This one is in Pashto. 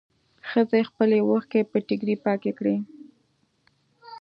ښځې خپلې اوښکې په ټيکري پاکې کړې.